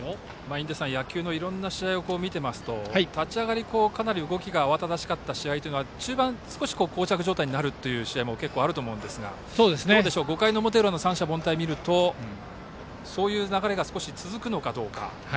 印出さん、野球のいろんな試合を見ていますと立ち上がり、かなり動きが慌しかった試合は中盤、少しこう着状態になる試合も結構あると思いますが５回の表裏の三者凡退を見るとそういう流れが少し続くのかどうか。